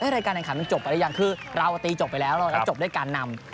รายการร่างคารมันจบไปได้ยังราว้าตีจบไปแล้วแล้วจบด้วยการนำ